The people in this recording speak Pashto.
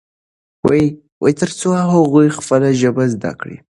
ترڅو هغوی خپله ژبه زده کړي.